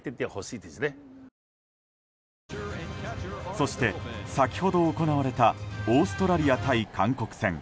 そして先ほど行われたオーストラリア対韓国戦。